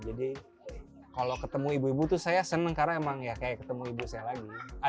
jadi kalau ketemu ibu ibu tuh saya senang karena emang ya kayak ketemu ibu saya lagi